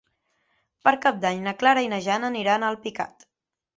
Per Cap d'Any na Clara i na Jana aniran a Alpicat.